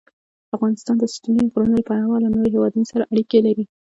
افغانستان د ستوني غرونه له پلوه له نورو هېوادونو سره اړیکې لري.